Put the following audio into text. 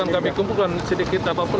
kami kumpulkan sedikit apapun